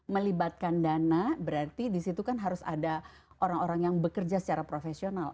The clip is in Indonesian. melibatkan dana berarti disitu kan harus ada orang orang yang bekerja secara profesional